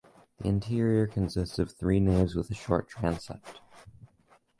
The interior consists of three naves with a short transept.